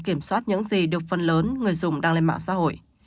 kiểm soát những gì được phân lớn người dùng đang lên mạng xã hội